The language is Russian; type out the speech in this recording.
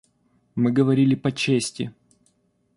Мы говорили по чести.